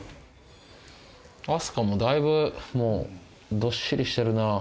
明日香もだいぶもうどっしりしてるな。